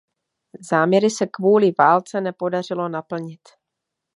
Záměry se kvůli válce nepodařilo naplnit.